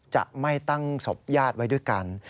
จะไม่ตั้งศพญาติไว้ด้วยกัน